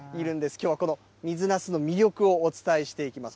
きょうはこの水なすの魅力をお伝えしていきます。